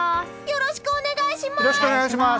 よろしくお願いします！